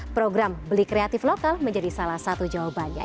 program beli kreatif lokal menjadi salah satu jawabannya